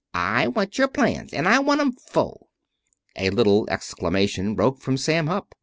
I want your plans, and I want 'em in full." A little exclamation broke from Sam Hupp.